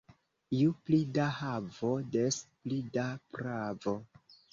Ju pli da havo, des pli da pravo.